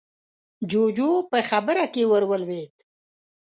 جُوجُو په خبره کې ورولوېد: